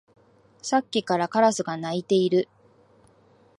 さっきからカラスが鳴いている